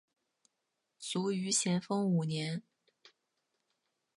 卒于咸丰五年。